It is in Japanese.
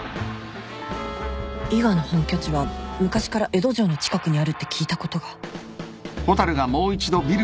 伊賀の本拠地は昔から江戸城の近くにあるって聞いたことが